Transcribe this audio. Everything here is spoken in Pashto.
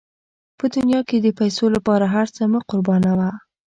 په دنیا کې د پیسو لپاره هر څه مه قربانوه.